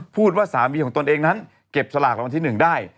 ว่าสามีของตนเองนั้นเก็บสลากรางวัลที่๑ได้